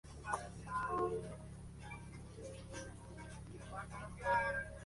Pero hay alguien que no desea que cuente la verdad sobre esa tarde fatal.